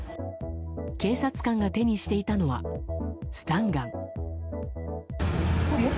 警察官が手にしていたのはスタンガン。